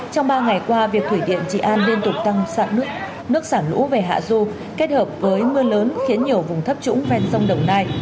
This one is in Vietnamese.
trong ba ngày qua việc thủy điện trị an liên tục tăng nước xả lũ về hạ du kết hợp với mưa lớn khiến nhiều vùng thấp trũng ven sông đồng nai